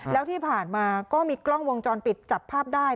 แล้วที่ผ่านมาก็มีกล้องวงจรปิดจับภาพได้